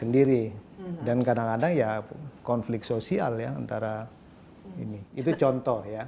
dan kadang kadang ya konflik sosial ya antara ini itu contoh ya